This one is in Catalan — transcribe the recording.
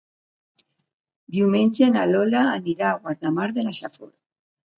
Diumenge na Lola anirà a Guardamar de la Safor.